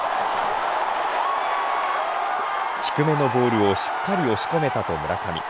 低めのボールをしっかり押し込めたと村上。